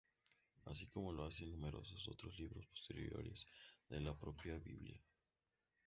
Así como lo hacen numerosos otros libros posteriores de la propia biblia.